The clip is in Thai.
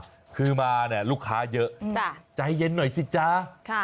สิ่งที่ป้าพักเขาเน้นย้ำคือมาลูกค้าเยอะใจเย็นหน่อยสิจ๊ะ